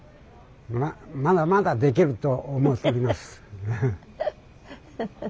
まだまだできると思っておりますハハ。